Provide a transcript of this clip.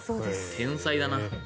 天才だな。